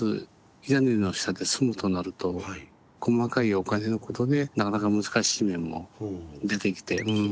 屋根の下で住むとなると細かいお金のことでなかなか難しい面も出てきてうん。